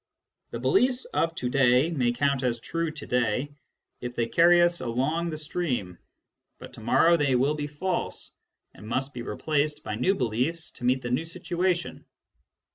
The beliefs of to day may count as true to day, if they carry us along the stream ; but to morrow they will be false, and must be replaced by new beliefs to meet the new situation.